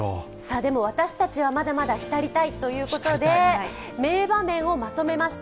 でも、私たちはまだまだ浸りたいということで、名場面をまとめました。